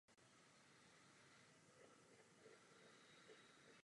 Zámek je majetkem obce a sídlí v něm obecní úřad.